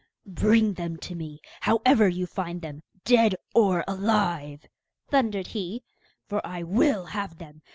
'Bring them to me, however you find them, dead or alive!' thundered he, 'for I will have them!